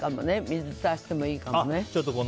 水、足してもいいかもね。